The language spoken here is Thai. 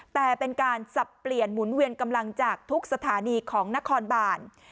แต่เป็นการสับเปลี่ยนหมุนเวียนกำลังจากทุกสถานีของนครบาน